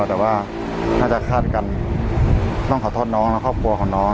แต่ว่าน่าจะคาดกันต้องขอโทษน้องและครอบครัวของน้อง